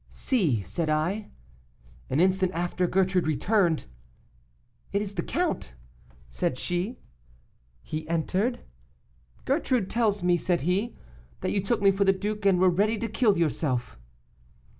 'See,' said I. An instant after, Gertrude returned, 'It is the count,' said she. He entered. 'Gertrude tells me,' said he, 'that you took me for the duke, and were ready to kill yourself.